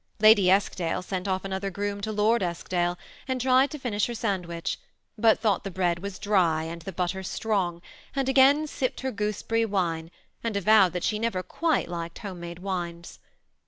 Lady Eskdale sent off another groom to Lord Eskdale, and tried to finish • her sandwich, but thought the bread was dry and the butter strong, and again sipped her gooseberry wine, and avowed that she never quite liked home*made wines.